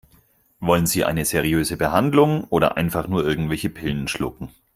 Wollen Sie eine seriöse Behandlung oder einfach nur irgendwelche Pillen schlucken?